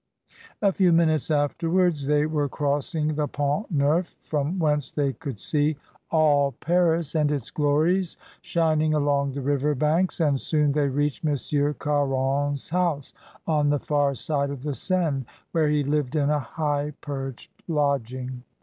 A few minutes afterwards they were crossing the Pont Neuf, from whence they could see all Paris ONE OLD FRIEND TO ANOTHER. 227 and its glories shining along the river banks, and soon they reached Monsieur Caron's house on the far side of the Seine, where he lived in a high perched lodging.